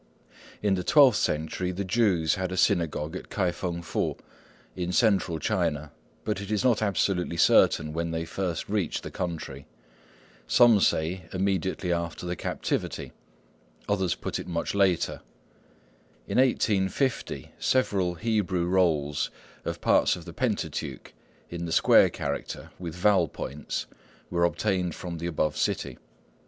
In the twelfth century the Jews had a synagogue at K'ai fêng Fu, in Central China, but it is not absolutely certain when they first reached the country. Some say, immediately after the Captivity; others put it much later. In 1850 several Hebrew rolls of parts of the Pentateuch, in the square character, with vowel points, were obtained from the above city.